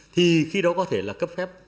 thì khi đó có thể là cấp phép